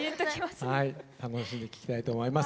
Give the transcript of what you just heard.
楽しんで聴きたいと思います。